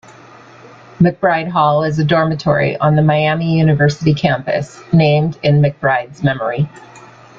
McBride Hall is a dormitory on the Miami University campus named in McBride's memory.